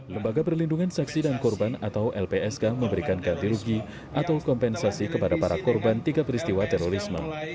lembaga perlindungan saksi dan korban atau lpsk memberikan ganti rugi atau kompensasi kepada para korban tiga peristiwa terorisme